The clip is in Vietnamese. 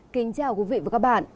kính chào quý vị và các bạn